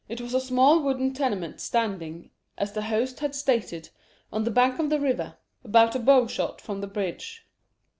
It was a small wooden tenement standing, as the host had stated, on the bank of the river, about a bow shot from the bridge.